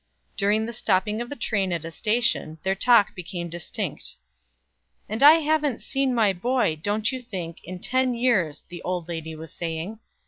During the stopping of the train at a station, their talk became distinct. "And I haven't seen my boy, don't you think, in ten years," the old lady was saying.